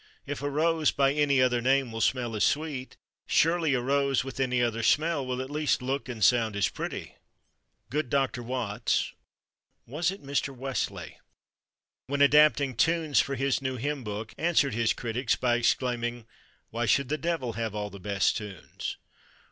If a Rose by any other name will smell as sweet, surely a Rose with any other smell will at least look and sound as pretty. Good Doctor Watts (or was it Mr. Wesley?) when adapting tunes for his new hymn book answered his critics by exclaiming, "Why should the devil have all the best tunes!"